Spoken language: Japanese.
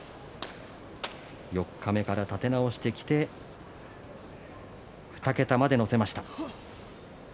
四日目から立て直してきて２桁まで乗せました。